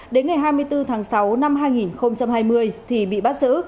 đến ngày hai mươi bốn tháng sáu năm hai nghìn hai mươi thì bị bắt giữ